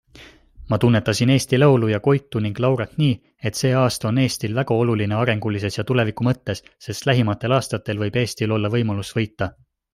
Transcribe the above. Ma tunnetasin Eesti laulu ja Koitu ning Laurat nii, et see aasta on Eestil väga oluline arengulises ja tuleviku mõttes, sest lähimatel aastatel võib Eestil olla võimalus võita.